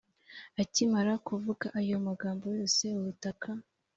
akimara kuvuga ayo magambo yose ubutaka